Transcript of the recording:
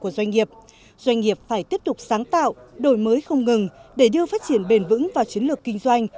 doanh nghiệp doanh nghiệp phải tiếp tục sáng tạo đổi mới không ngừng để đưa phát triển bền vững vào chiến lược kinh doanh